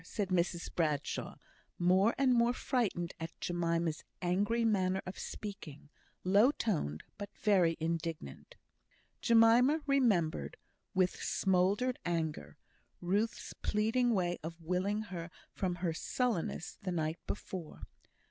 said Mrs Bradshaw, more and more frightened at Jemima's angry manner of speaking low toned, but very indignant. Jemima remembered, with smouldered anger, Ruth's pleading way of wiling her from her sullenness the night before.